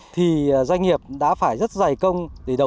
thì doanh nghiệp đã phải rất dày công